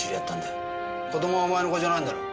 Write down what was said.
子供はお前の子じゃないんだろう。